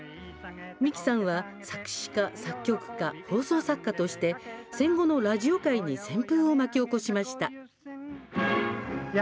三木さんは作詞家、作曲家放送作家として戦後のラジオ界に旋風を巻き起こしました。